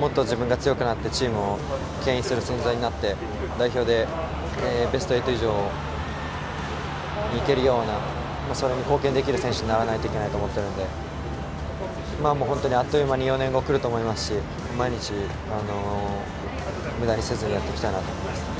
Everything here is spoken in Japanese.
もっと自分が強くなってチームをけん引する存在になって代表でベスト８以上にいけるようなそれに貢献できる選手にならないといけないと思ってるんで本当にあっという間に４年後来ると思いますし毎日無駄にせずにやっていきたいと思います。